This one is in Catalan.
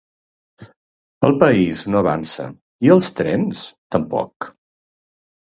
El país no avança, i els trens, tampoc.